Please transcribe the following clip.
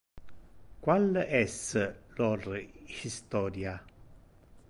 Qual es lor historia?